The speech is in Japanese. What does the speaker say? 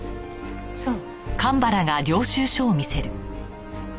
そう。